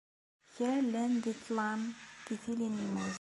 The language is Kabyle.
Kra, llan di ṭṭlam, di tili n lmut.